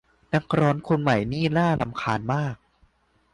นักร้องคนใหม่นี่น่ารำคาญมาก